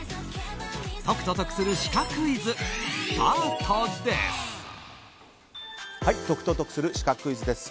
解くと得するシカクイズスタートです！